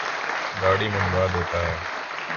داڑھی منڈوا دیتا ہے۔